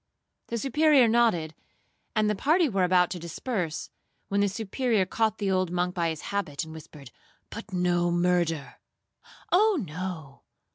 The Superior nodded, and the party were about to disperse, when the Superior caught the old monk by his habit, and whispered, 'But no murder!'—'Oh no!